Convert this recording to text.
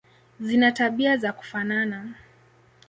Zina tabia za kufanana.